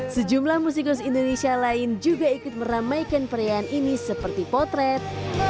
sejumlah musikus indonesia lain juga ikut meramaikan perayaan ini seperti potret